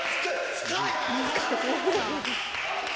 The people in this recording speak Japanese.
深い！